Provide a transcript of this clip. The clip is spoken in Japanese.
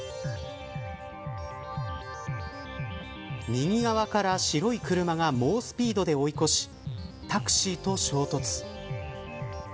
右側から白い車が猛スピードで追い越しタクシーと衝突。